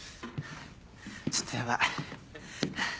ちょっとヤバい。えっ？